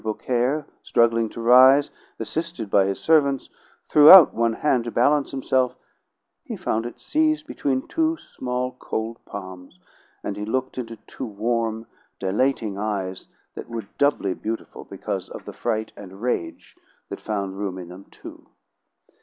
Beaucaire, struggling to rise, assisted by his servants, threw out one hand to balance himself, he found it seized between two small, cold palms, and he looked into two warm, dilating eyes, that were doubly beautiful because of the fright and rage that found room in them, too.